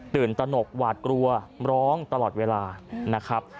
ตนกหวาดกลัวร้องตลอดเวลานะครับ